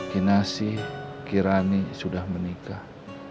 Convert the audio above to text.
kinasi kirani sudah menikah